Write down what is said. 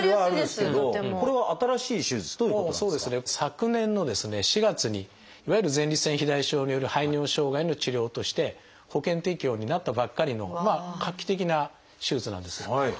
昨年のですね４月にいわゆる前立腺肥大症による排尿障害の治療として保険適用になったばっかりの画期的な手術なんです。